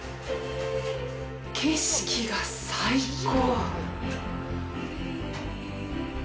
景色が最高。